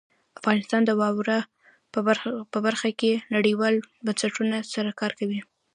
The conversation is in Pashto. افغانستان د واوره په برخه کې نړیوالو بنسټونو سره کار کوي.